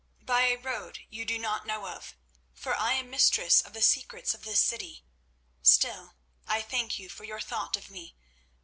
"By a road you do not know of, for I am mistress of the secrets of this city. Still, I thank you for your thought of me.